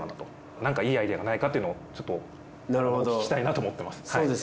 なんかいいアイデアがないかっていうのをちょっとお聞きしたいなと思ってます。